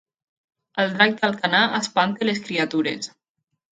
El drac d'Alcanar espanta les criatures